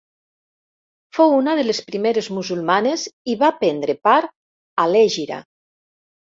Fou una de les primeres musulmanes i va prendre part a l'hègira.